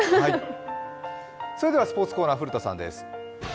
それではスポーツコーナー古田さんです。